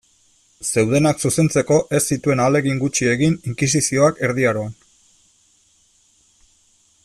Zeudenak zuzentzeko ez zituen ahalegin gutxi egin inkisizioak Erdi Aroan.